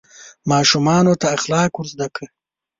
ماشومانو ته اخلاق ور زده کړه.